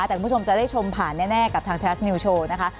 อยากทุกผู้ชมจะได้ชมผ่านแน่กับทางเทลาส์นิวโชว์นะคะ